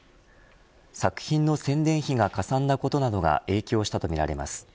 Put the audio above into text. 作品の宣伝費がかさんだことなどが影響したとみられます。